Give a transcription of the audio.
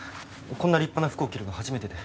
こんな立派な服を着るの初めてで。